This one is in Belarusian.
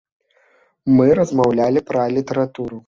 Мы размаўлялі пра літаратуру.